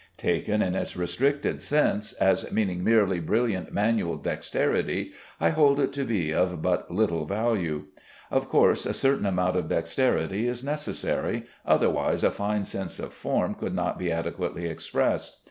Taken in its restricted sense, as meaning merely brilliant manual dexterity, I hold it to be of but little value. Of course a certain amount of dexterity is necessary, otherwise a fine sense of form could not be adequately expressed.